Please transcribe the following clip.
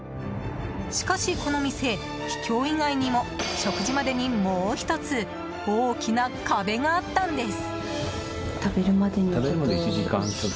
しかし、この店、秘境以外にも食事までに、もう１つ大きな壁があったんです。